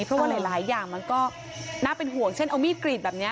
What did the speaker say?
เพราะว่าหลายอย่างมันก็น่าเป็นห่วงเช่นเอามีดกรีดแบบนี้